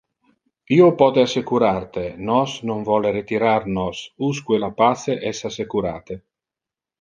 Io pote assecurar te: nos non vole retirar nos, usque le pace es assecurate.